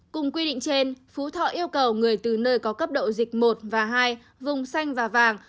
cùng quy định trên phú thọ yêu cầu người từ nơi có cấp độ dịch một và hai vùng xanh và vàng